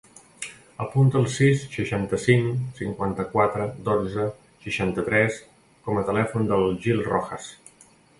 Apunta el sis, seixanta-cinc, cinquanta-quatre, dotze, seixanta-tres com a telèfon del Gil Rojas.